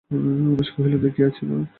উমেশ কহিল, দেখিয়াছি মা।